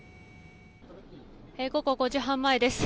午後５時半前です。